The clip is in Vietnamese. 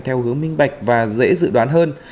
theo hướng minh bạch và dễ dự đoán hơn